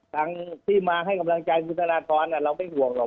ทางที่มาให้กำลังใจคุณธนทรเราไม่ห่วงหรอก